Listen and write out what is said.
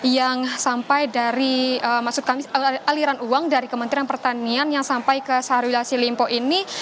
yang sampai dari maksud kami aliran uang dari kementerian pertanian yang sampai ke syahrul yassin limpo ini